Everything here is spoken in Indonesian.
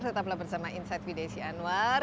setaplah bersama insight vdc anwar